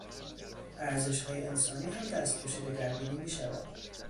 ارزشهای انسانی هم دستخوش دگرگونی میشود.